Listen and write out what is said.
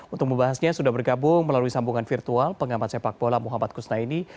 untuk membahasnya sudah bergabung melalui sambungan virtual pengamat sepak bola muhammad kusnaini